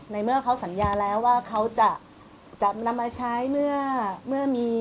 ในเมื่อเขาสัญญาแล้วว่าเขาจะนำมาใช้เมื่อมี